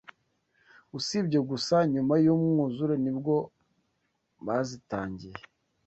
usibye gusa nyuma y’umwuzure nibwo bazitangiye